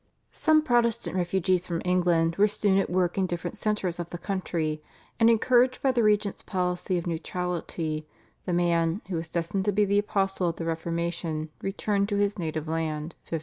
Some Protestant refugees from England were soon at work in different centres of the country, and encouraged by the regent's policy of neutrality, the man, who was destined to be the apostle of the Reformation, returned to his native land (1555).